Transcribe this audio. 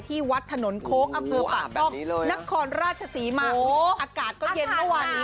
ที่วัดถนนโค้งอำเวอร์ปัดต้องนักคลราชศรีมากโอ้โฮอากาศก็เย็นกว่านี้